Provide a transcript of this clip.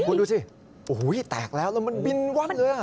คุณดูสิโอ้โหแตกแล้วแล้วมันบินวั่นเลย